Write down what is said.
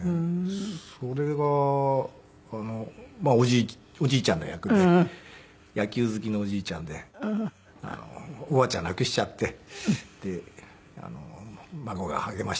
それがおじいちゃんの役で野球好きのおじいちゃんでおばあちゃん亡くしちゃって孫が励ましてくれるみたいなね。